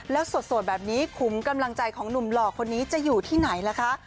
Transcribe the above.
แล้วสดแบบนี้ขุมกำลังใจของหนุ่มหล่อคนนี้จะอยู่ที่ไหนล่ะคะ